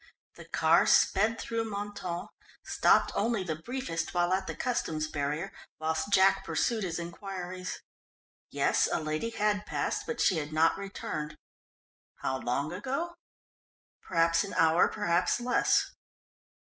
The car sped through Mentone, stopped only the briefest while at the Customs barrier whilst Jack pursued his inquiries. Yes, a lady had passed, but she had not returned. How long ago? Perhaps an hour; perhaps less.